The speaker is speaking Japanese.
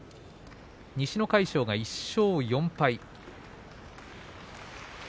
西の魁勝が１勝４敗。